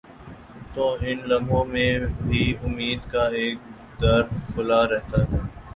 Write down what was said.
تو ان لمحوں میں بھی امید کا ایک در کھلا رہتا ہے۔